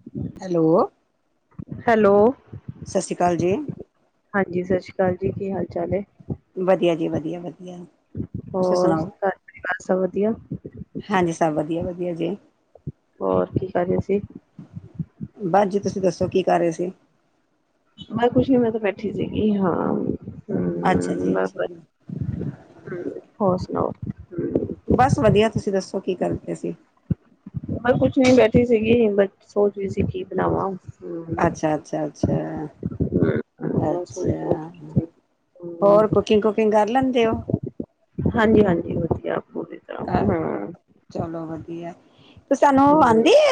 ਹ [unintelligible] hello hello ਸਤਿ ਸ਼੍ਰੀ ਅਕਾਲ ਜੀ। ਹਾਂਜੀ ਸਤਿ ਸ਼੍ਰੀ ਅਕਾਲ ਜੀ ਕੀ ਹਾਲ ਚਾਲ ਹੈ। ਵਧੀਆ ਜੀ ਵਧੀਆ ਵਧੀਆ। ਤੁਸੀਂ ਹੋਰ ਸੁਣਾਓ? ਬ ਸਭ ਵਧੀਆ। ਹਾਂਜੀ ਸਭ ਵਧੀਆ ਵਧੀਆ ਜੀ। ਹੋਰ ਕੀ ਕਰ ਰਹੇ ਸੀ। ਬਾਸ ਜੀ ਤੁਸੀਂ ਦੱਸੋ ਕੀ ਕਰ ਰਹੇ ਸੀ। ਬਸ ਕੁਛ ਨਹੀਂ ਮੈਂ ਤਾਂ ਬੈਠੀ ਸੀਗੀ ਹਾਂ। ਅੱਛਾ ਹਮ ਜੀ ਬੱਸ ਅੱਛਾ ਜੀ, ਹ ਹੋਰ ਸੁਣਾਓ? ਹੂੰ, ਬਸ ਵਧੀਆ ਤੁਸੀਂ ਦੱਸੋ ਕੀ ਕਰਦੇ ਸੀਂ? ਬ ਕੁਛ ਨੀ ਬੈਠੀ ਸੀਗੀ ਬਟ ਸੋਚ ਵੀ ਸੀ ਕੀ ਬਣਾਵਾਂ। ਹੂੰ, ਅੱਛਾ ਅੱਛਾ ਅੱਛਾ ਮੈਂ ਸੋਚ ਸੋਚ ਅੱਛਾ। ਰਹੀ ਸੀ। ਹੂੰ, ਹੋਰ ਕੁਕਿੰਗ ਕੁਕਿੰਗ ਕਰ ਲੈਂਦੇ ਹੋ। ਹਾਂਜੀ ਹਾਂਜੀ ਵਧੀਆ ਆਪੂ। ਘ ਚਲੋ ਵਧੀਆ ਤੇ ਸਾਨੂੰ ਹੂੰ। ਆਉਂਦੇ ਆ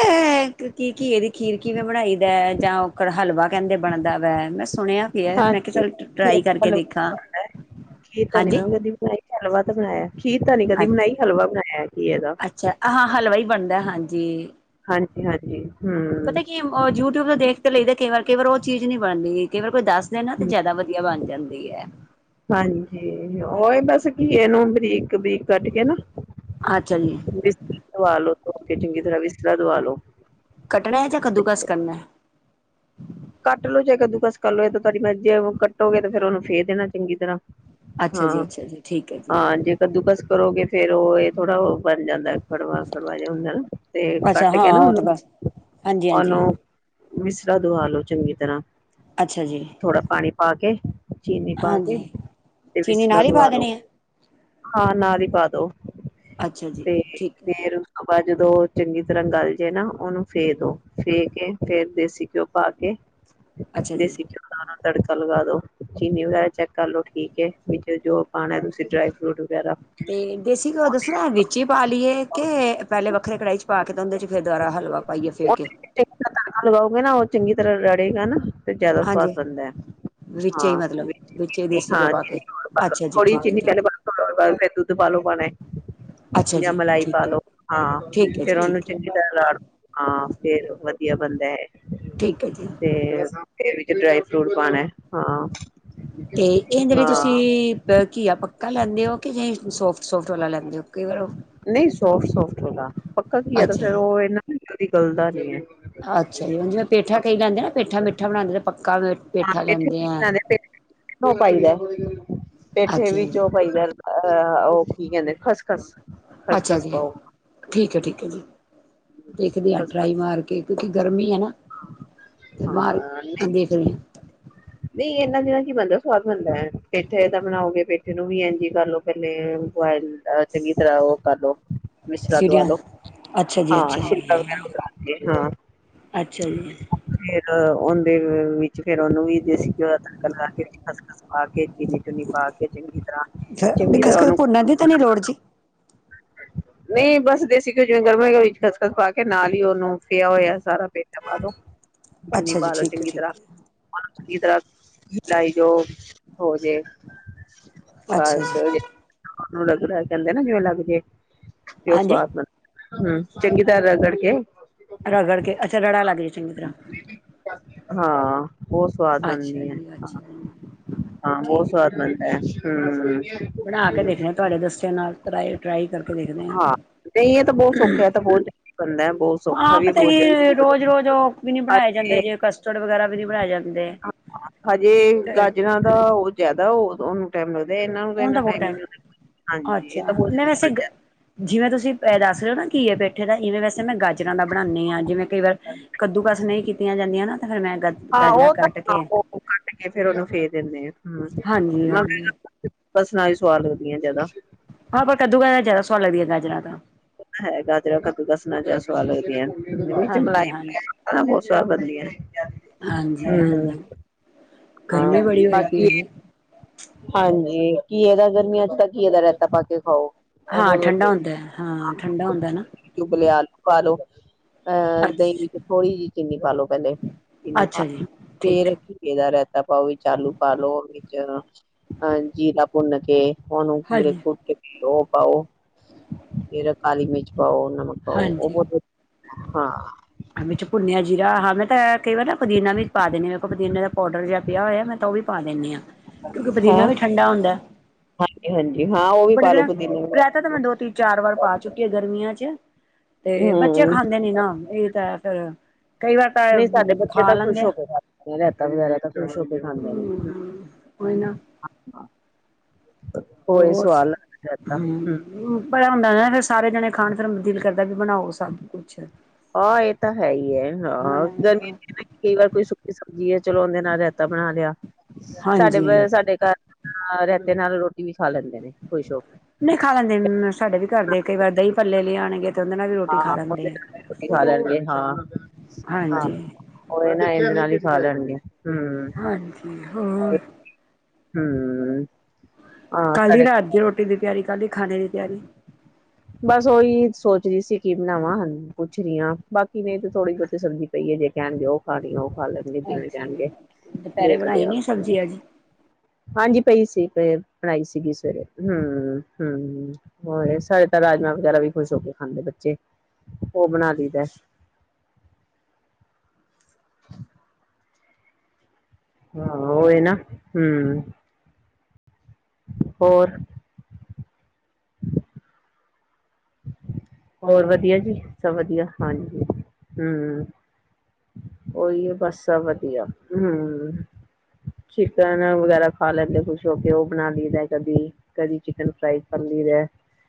ਇੱਕ ਕੀ ਘੀ ਏ ਦੀ ਖੀਰ ਕਿਵੇਂ ਬਣਾਈ ਦਾ ਜਾਂ ਉਹਨੂੰ ਹਲਵਾ ਕਹਿੰਦੇ ਬਣਦਾ ਵ ਮੈਂ ਸੁਣਿਆ। ਮੈਂ ਹਾਂਜੀ। ਕਿਹਾ ਚ ਟਰਾਈ ਕਰਕੇ ਹਲਵਾ ਦੇਖਾ ਹਾਂਜੀ। ਬਈ ਹਲਵਾ ਤਾਂ ਬਣਾਇਆ ਖੀਰ ਤਾਂ ਨੀ ਕਦੀ ਅੱਛਾ। ਬਨਾਈ ਹਲਵਾ ਬਣਾਇਆ ਕੀ ਘੀਏ ਇਹਦਾ। ਅੱਛਾ ਹਾਂ ਹਲਵਾ ਈ ਬਣਦਾ ਹਾਂਜੀ। ਹਾਂਜੀ ਹਾਂਜੀ। ਪਤਾ ਹੂੰ ਕੀ ਏ ਓ ਮ, ਜਿਊਟਿਊਬ ਦੇ ਦੇਖ ਤੇ ਲਈ ਦਾ ਕਈ ਵਾਰ ਕਈ ਵਾਰ ਓ ਚੀਜ ਨੀ ਬਾਣਦੀ ਕਈ ਵਾਰ ਕੋਈ ਦਾੱਸ ਨਾ ਤੇ ਜਾਦਾ ਵਦੀਆ ਬਾਣ ਜਾਂਦੀ ਐ। ਹਾਂਜੀ, ਓ ਈ ਬਸ ਕੀ ਏਨੂੰ ਬਰੀਕ-ਬਰੀਕ ਕਾੱਟ ਕੇ ਨਾ ਆੱਛਾ ਜੀ। [unintelligible] ਖੋਲ ਕੇ ਚੰਗੀ ਤਰਾ ਵਿਸਲਾ ਦਵਾ ਲੋ। ਕੱਟਣਾ ਐ ਜਾਂ ਕੱਦੂਕਸ ਕਰਨਾ ਐ? ਕਾੱਟ ਲੋ ਜੇ ਕੱਦੂ ਕਸ ਕਰ ਲੋੋ, ਏ ਤੇ ਤੁਆਡੀ ਮਾਰਜੀ ਆ ਕੱਟੋਗੇ ਤੇ ਫੇਰ ਓਨੂੰ ਫੇ ਦੇਣਾ ਚੰਗੀ ਤਰਾਂ। ਅੱਛਾ ਜੀ ਹਾਂ, ਅੱਛਾ ਜੀ ਠੀਕ ਹੈ ਜੀ ਹਾਂ ਜੇ ਕੱਦੂਕਸ ਕਰੋਗੇ ਫੇਰ ਓ ਏ ਥੋੜਾ ਓ ਬਾਨ ਜਾਂਦੈ। ਕੜਵਾ-ਕਰਵਾ ਜਾ ਹੁੰਦੈ ਨਾ ਤੇ ਅੱਛਾ ਕਾੱਟ ਹਾਂ ਕੇ ਨਾ ਉਹ ਤਾਂ ਓਨੂੰ, ਬਸ ਹਾਂਜੀ ਹਾਂਜੀ ਓਨੂੰ ਵਿਸਲਾ ਦਵਾ ਲੋ ਚੰਗੀ ਤਰਾਂ। ਅੱਛਾ ਜੀ। ਥੋੜਾ ਪਾਣੀ ਪਾ ਕੇ, ਚੀਨੀ ਪਾ ਕੇ ਹਾਂਜੀ ਤੇ ਚੀਨੀ ਵਿਸਲਾ ਨਾਲ ਹੀ ਪਾ ਦਵਾ ਲੋੋ। ਦੇਣੀ ਹੈ ਹਾਂ, ਨਾਲ ਈ ਪਾ ਦੋ। ਅੱਛਾ ਜੀ, ਠੀਕ ਐ। ਆਪਾਂ ਜਦੋਂ ਚੰਗੀ ਤਰਾ ਗਾਲ ਜੇ ਨਾ ਓਨੂੰ ਫੇ ਦੋ, ਫੇ ਕੇ ਫੇਰ ਦੇਸੀ ਘੇਓ ਪਾ ਕੇ ਅੱਛਾ ਜੀ ਦੇਸੀ ਘੇਓ। ਸਾਰਾ ਤੜਕਾ ਲਗਾ ਦੋ ਚੀਨੀ ਵਗੈਰਾ ਚੈੱਕ ਕਰਲੋ ਠੀਕ ਏ ਨੀ ਤੇ ਜੋ ਪਾਣੈ ਤੁਸੀਂ ਡ੍ਰਾਏ ਫ੍ਰੂਟ ਵਗੈਰਾ ਤੇ ਦੇਸੀ ਘੇਓ ਦੱਸਣਾ ਵਿੱਚ ਈ ਪਾ ਲੀਏ ਕੇ, ਪੈਲੇ ਵੱਖਰੇ ਕੜਾਹੀ ਚ ਪਾਕੇ ਤੇ ਓਂਦੇ ਚ ਫੇਰ ਦਬਾਰਾ ਹਲਵਾ ਪਾਈਏ ਫੇਕੇ? [unintelligible] ਲਗਾਓਗੇ ਨਾ ਓ ਚੰਗੀ ਤਰਾਂ ਰੜੇਗਾ ਨਾ, ਤੇ ਓ ਜਾਦਾ ਸਵਾਦ ਹਾਂਜੀ ਬਨਦੈ। [inaudible] ਵਿੱਚੇ ਹੀ ਮਤਲਬ ਵਿੱਚੇ ਹੀ ਦੇਸੀ ਘਿਓ ਪਾ ਕੇ ਅੱਛਾ ਜੀ ਠੀਕ ਹੈ ਠੀਕ ਹੈ ਦੁੱਦ ਪਾਾਲੋ ਪਾਣੈ ਅੱਛਾ ਯਾ ਜੀ ਮਲਾਈ ਠੀਕ ਪਾਲੋ, ਹਾਂ ਠੀਕ ਹੈ ਫੇਰ ਜੀ ਓਨੂੰ ਠੀਕ ਹੈ ਹਾਂ, ਫੇਰ ਵਦੀਆ ਬਨ ਦੈ। ਠੀਕ ਐ ਜੀ। ਤੇ ਵਿੱਚ ਡ੍ਰਾਈ ਫ੍ਰੂਟ ਪਾਨੈ, ਹਾਂ। ਤੇ ਏਂਦੇ ਵਿੱਚ ਹਾਂ ਤੁਸੀਂ ਪ ਘੀਆ ਪੱਕਾ ਲੈਂਦੇ ਓ ਕਿ [unintelligible] ਸੋਫਟ? ਸੋਫਟ ਵਾਲਾ ਲੈਂਦੇ ਹੋ ਕਈ ਵਾਰ ਨਈ ਸੋਫਟ-ਸੋਫਟ ਥੋੜਾ, ਪੱਕਾ ਕੀ ਏ ਤਾਂ ਅੱਛਾ ਫੇਰ ਜੀ ਓ ਨਾਂ ਕਦੀ ਗੱਲਦਾ ਨੀ ਏ। ਅੱਛਾ ਜੀ, ਹੁਣ ਜਿਂਵੇ ਪੇਠਾ ਕਈ ਜਾਂਦੇ ਨਾ ਪੇਠਾ ਮਿੱਠਾ ਬਣਾਂਦੇ ਪ [unintelligible] ਪੇਠੇ ਅੱਛਾ ਵਿੱਚ ਓ ਜੀ ਪਾਈ ਆ ਅ ਓ ਕੀ ਕੈਂਦੇ ਨੇ ਖੱਸ-ਖਸ। ਅੱਛਾ ਜੀ, ਠੀਕ ਏ, ਠੀਕ ਏ ਜੀ ਦੇਖਦੇ ਆਂ ਟ੍ਰਾਈ ਖਸਖਸ ਮਾਰ ਕੇ ਕਿਉਂਕਿ ਗਰਮੀ ਐ ਨਾ, ਤੇ ਬਾਰਂ ਦੇਖ ਦੇ ਆਂ। ਨਈ ਐਨਾਂ ਦਿਨਾਂ ਚ ਈ ਬਨਦੈ ਸਵਾਦ ਬਨਦਾ ਐ, ਪੇਠੇ ਦਾ ਏਦਾ ਬਣਾਓਗੇ ਪੈਠੇ ਨੂੰ ਵੀ ਏਂਜ ਈ ਕਿਰ ਲੋ। [unintelligible] ਚੰਗੀ ਤਰਾ ਓ ਕਾਰ ਲੋ ਵਿਸਲਾ ਸੀਟੀਆਂ ਦਵਾਲੋ ਅੱਛਾ ਜੀ ਹਾਂ, ਅੱਛਾ ਸਿ਼ਟਾ ਜੀ ਵਗੈਰਾ ਅੱਛਾ ਜੀ। ਫਿਰ ਓਂਦੇ ਵਿੱਚ ਫੇਰ ਓਨੂੰ ਵੀ ਦੇਸੀ ਘੇਓ [unintelligible] ਖੱਸ-ਖੱਸ ਪਾ ਕੇ ਚੀਨੀ ਚੁਨੀ ਪਾ ਕੇ ਚੰਗੀ ਤਰਾ, ਚੰਗੀ ਤਰ੍ਹਾਂ ਓਨੂ ਐਂਦੀ ਤਾਂ ਨੀ ਲੋੜ ਜੀ? ਨਈ ਬਸ ਦੇਸੀ ਘੇਓ ਜਿਵੇਂ [unintelligible] ਖੱਸ-ਖੱਸ ਪਾ ਕੇ ਨਾਲ ਈ ਓਨੂੰ ਫੇਯਾ ਹੋਏਆ ਸਾਰਾ ਪੇਠਾ ਪਾਦੋ ਚਿਨੀ ਅੱਛਾ ਜੀ ਪਾਲੈ ਠੀਕ ਹੈ ਠੀਕ ਕਿ ਦਾੱਸ ਲਾਈ ਜਾਓ ਹੋਜੇ, ਹੈ ਅੱਛਾ ਬਾਸ ਜੀ ਲੇਕੀਨ ਓਨੂ ਲਗਦੈ ਕੈਂਦੇ ਨਾ ਬਿ ਓ ਲੱਗਜੇ ਤੇ ਓ ਹਾਂਜੀ ਸਵਾਦ ਨਾੀ ਗਫ੍ਹ ਕੇ। ਰਗੜ ਕੇ ਅੱਛਾ, ਰੜਾ ਲਰਜੂ ਚੰਗੀ ਬ ਤਰਾਂ। ਹਾਂ, ਹੋਰ ਸਵਾਦ ਅੱਛਾ ਬਣਦੀ ਹਾਂ। ਜੀ ਅੱਛਾ ਜੀ ਹਾਂ, ਬੋਹ ਠੀਕ ਹੈ ਸਵਾਦ ਬਣਨੈ ਬਣਾ ਕੇ ਦੇਖਣੇ ਆ, ਤੁਹਾਡੇ ਦੱਸੇ ਨਾਲ ਟਰਾਈ- ਟਰਾਈ ਕਰਕੇ ਦੇਖਦੇ ਹਾਂ, ਨਈ ਐ ਤਾਂ ਬੋਹ ਸੌਖਾ ਏ ਤਾ ਬਹੋਤ ਹਾਂ ਪਤਾ ਕੀ, ਰੋਜ਼- ਰੋਜ਼ ਉਹ ਵੀ ਨਈ ਬਣਾਏ ਜਾਂਦੇ ਜੇ, ਕਸਟਰਡ ਵਗੈਰਾ ਵੀ ਨੀ ਬਣਾਏ ਜਾਂਦੇ। ਹਜੇ, ਤੇ ਗਾਜਰਾਂ ਦਾ ਉਹ ਜਿਆਦਾ ਉਹ ਉਹਨੂੰ ਟਾਈਮ ਲੱਗਦਾ ਇਹ ਨੂੰ, ਉਹਨੂੰ ਨਾ ਤਾਂ ਬਹੁਤ ਟਾਈਮ ਹਾਂਜੀ ਇਹ ਤਾਂ ਅੱਛਾ ਬ ਮੈਂ ਵੈਸੇ ਜਿਵੇਂ ਤੁਸੀਂ, ਦੱਸ ਰਹੇ ਨਾ ਘਈਏ, ਪੈਠੇ, ਦਾ ਇਵੇਂ ਵੈਸੇ, ਮੈਂ ਗਾਜਰਾਂ ਦਾ, ਬਣਾਉਂਦੀ ਹਾਂ ਜਿਵੇਂ ਕਈ ਵਾਰ ਕੱਦੂ ਕਸ, ਨਹੀਂ ਕੀਤੀਆਂ ਜਾਂਦੀਆਂ ਨਾ ਤੇ ਫੇਰ ਮੈਂ, ਹਾਂ ਗਾਜਰਾਂ ਉਹ ਤਾਂ ਕੱਟ ਹਾਂ ਕੇ ਉਹ ਕੱਟ ਕੇ, ਫੇਰ ਉਹਨੂੰ ਫੇ ਦਿੰਦੇ ਆ ਹਮ ਹਾਂਜੀ ਹਾਂਜੀ ਮਗਰ ਸਸ ਨਾਲ ਵੀ ਸਵਾਦ ਲਗਦੀਆਂ ਜਿਆਦਾ। ਹਾਂ ਪਰ ਕੱਦੂ ਕਰਕੇ ਜ਼ਿਆਦਾ ਸਵਾਦ ਲਗਦੀਆਂ ਗਾਜਰਾਂ ਤਾਂ, ਹੈ ਗਾ ਤੇ ਹੈ ਕੱਦੂ -ਕਸ ਨਾਲ ਜਿਆਦਾ ਸਵਾਦ ਲੱਗਦੀ ਆਂ ਚ ਹਾਂਜੀ ਮਲਾਈ ਹਾਂਜੀ ਮ ਹ ਬੌਹਤ ਸਵਾਦ ਬਣਦੀਆਂ। ਹਾਂਜੀ ਹੂੰ -ਹਾਂਜੀ ਗਰਮੀ ਹਾਂ ਬੜੀ ਬਾਕੀ ਹੋਏਗੀ ਇਹਦੇੇ ਹਾਂਜੀ, ਕੀ ਇਹਦਾ ਗਰਮੀ ਅੱਜ ਤੱਕ। ਘੀਏ, ਦਾ ਰਾਇਤਾ ਪਾ ਕੇ ਖਾਓ, ਉਹ ਹਾਂ ਬਹੁਤ ਠੰਡਾ ਵਧੀਆ ਹੁੰਦਾ ਹੈ, ਹਾਂ ਠੰਡਾ ਹੁੰਦਾ ਨਾ ਓਬਲੇ ਆਲੂ ਪਾ ਲੋ, ਅਹ ਦਹੀਂ ਵਿੱਚ, ਅੱਛਾ ਥੋੜ੍ਹੀ ਜਿਹੀ ਚੀਨੀ ਪਾ ਲੋ, ਪਹਿਲੇ ਚੀਨੀ ਪਾ ਅੱਛਾ ਕੇ ਜੀ ਠੀਕ ਫੇਰ ਠੀਕ ਏਦਾ ਰਹਿਤਾ ਪਾਉਂ, ਵਿੱਚ ਆਲੂ ਪਾ ਲੋ ਵਿਚ ਆ ਹਾਂਜੀ, ਜੀਰਾ ਭੁੰਨ ਕੇ ਉਹਨੂੰ, ਹਾਂਜੀ ਕੁਟ ਕੇ ਤੇ ਉਹ ਪਾਓ, ਫਿਰ ਕਾਲੀ ਮਿਰਚ ਪਾਓ ਨਮਕ, ਪਾਓ ਉਹ ਬਹੁਤ। ਹਾਂ। ਹਾਂ ਵਿੱਚ ਭੁੰਨਿਆ ਜੀਰਾ ਹਾਂ, ਮੈਂ ਤਾਂ ਕਈ ਵਾਰ ਨਾ ਪੁਦੀਨਾ ਵੀ ਪਾ, ਦੇਣੇ ਵੇਖੋ ਪਦੀਨੇ ਦਾ ਪਾਊਡਰ ਜਿਹਾ ਪਿਆ ਹੋਇਆ, ਮੈਂ ਤਾਂ ਉਹ ਵੀ ਪਾ ਦਿੰਨੀਂ ਆ। ਕਿਉਂਕਿ, ਪੁਦੀਨਾ ਹੈਂ ਵੀ ਠੰਡਾ ਹੁੰਦਾ, ਹਾਂਜੀ ਹਾਂਜੀ ਹਾਂ ਉਹ ਵੀ ਪਾਲੋ ਬੜਾੜ ਪੁਦੀਨੇ ਪਤਾਂ ਵਗੈਰਾ ਮੈਂ ਦੋ, ਤਿੰਨ- ਚਾਰ ਵਾਰ ਪਾ ਚੁੱਕੀ ਆ ਗਰਮੀਆਂ ਚ ਤੇ ਬੱਚੇ ਹਮ ਖਾਂਦੇ ਨਈ ਨਾ, ਤੇ ਫੇਰ ਕਈ ਵਾਰ ਤਾਂ, ਖਾ ਲੈਂਦੇ ਆ। ਰਇਤਾ ਵਗੈਰਾ, ਤਾਂ ਖੁਸ਼ ਹੋ ਕੇ ਖਾਂਦੇ ਨੇ, ਹੂੰ, ਕੋਈ ਨਾ ਓਹੀ ਸਵਾਦ, ਲਗਦੀ ਜਿਆਦਾ ਹਮ। ਪਿਆ ਹੁੰਦਾ ਨਾ, ਫਿਰ ਸਾਰੇ ਜਾਣੇ ਖਾਣ, ਫਿਰ ਦਿਲ ਕਰਦਾ ਵੀ ਬਣਾਓ ਸਭ ਕੁਛ। ਆ ਇਹ ਤਾਂ ਹੈ ਹੀ ਹੈ, ਹਾਂ ਗਰਮੀ। ਕਈ ਵਾਰ ਕੋਈ ਸੁੱਕੀ ਸਬਜ਼ੀ ਆ, ਚਲੋ ਉਹਦੇ ਨਾਲ ਰਾਇਤਾ, ਬਣਾ ਲਿਆ ਹਾਂਜੀ ਸਾਡੇ- ਸਾਡੇ ਘਰ। ਹਾਂਰਾਇਤੇ ਨਾਲ ਰੋਟੀ ਵੀ ਖਾ ਲੈਂਦੇ ਨੇ ਕੋਈ ਖੁਸ ਹੋ ਕੇ। ਨਹੀਂ ਖਾ ਲੈਂਦੇ, ਸਾਡੇ ਵੀ ਘਰਦੇ, ਕਈ ਵਾਰ ਦਹੀਂ ਭਲੇ ਲੈ ਆਣਗੇ। ਹਾਂ -ਹਾਂ ਉਦੇ ਨਾਲ ਵੀ ਰੋਟੀ ਖਾ ਲੈਣ ਗੇ। ਹਾਂਜੀ ਉਹ ਨਾ, ਇਹਦੇ ਨਾਲ ਹੀ ਖਾ ਲੈਣਗੇ? ਹਾਂਜੀ, ਹੋਰ। ਹਮ। ਕਰ ਲਈ ਰਾਤ ਰੋਟੀ, ਕਰ ਲਈ ਖਾਣੇ ਦੀ ਤਿਆਰੀ। ਬਸ ਉਓਹੀ ਸੋਚ ਰਹੀ ਸੀ, ਕੀ ਬਣਾਵਾਂ ਪੁੱਛਣੀ ਹਾਂ ਬਾਕੀ ਮੇਰੀ ਤੇ ਥੋੜੀ ਬਹੁਤੀ ਸਬਜ਼ੀ ਪਈਏ ਜੇ ਕਹਿਣਗੇ, ਉਹ ਖਾਣੀ ਉਹ ਖਾ ਲੈਣ ਗੇ ਜਿਵੇਂ ਅੱਛਾ ਜੀ, ਕਹਿਣਗੇ ਦੁਪਹਿਰੇ ਦੇਖਦੇ ਬਣਾਈ ਆ। ਨੀ ਸਬਜ਼ੀ ਅੱਜ ਹਾਂਜੀ, ਪਈ ਸੀ ਬਣਾਈ ਸੀਗੀ ਸਵੇਰੇ ਹਮ- ਹਮ। ਹੋਰ ਸਾਡੇ ਤਾਂ, ਰਾਜਮਾਂ ਵਗੈਰਾ ਵੀ ਖੁਸ਼ ਹੋ ਕੇ ਖਾਂਦੇ ਬੱਚੇ, ਉਹ ਬਣਾ ਲਈਦਾ। [unintelligible] [inaudible] ਹਾਂ, ਇਹ ਨਾ ਹੂੰ ਹੋਰ ਹੋਰ ਵਧੀਆ ਜੀ, ਸਭ ਵਧੀਆ, ਹਾਂਜੀ ਹੂੰ। ਉਹੀ ਹੈ, ਬਸ ਆ ਵਧੀਆ, ਹੂੰ। ਚਿਕਨ ਵਗੈਰਾ, ਖਾ ਲੈਂਦੇ ਖੁਸ਼ ਹੋ ਕੇ, ਉਹ ਬਣਾ ਲਈਦਾ ਕਦੀ ਕਦੀ ਚਿਕਨ ਫਰਾਈ, ਕਰ ਲਈਦਾ।